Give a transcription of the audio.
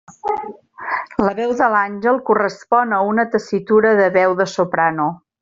La veu de l'àngel correspon a una tessitura de veu de soprano.